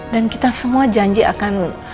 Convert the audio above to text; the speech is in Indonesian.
dan kita semua janji akan